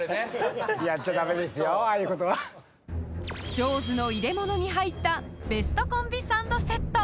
［ジョーズの入れ物に入ったベストコンビ・サンドセット］